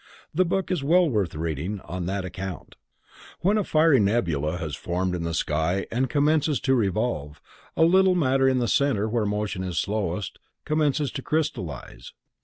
The book is well worth reading on that account. When a fiery nebula has been formed in the sky and commences to revolve, a little matter in the center where motion is slowest commences to crystallize.